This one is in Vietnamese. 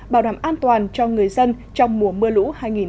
bảo đảm an toàn cho người dân trong mùa mưa lũ hai nghìn một mươi tám